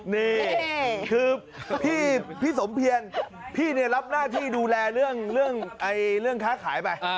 นี่คือพี่สมเพียรพี่รับหน้าที่ดูแลเรื่องค้าขายไป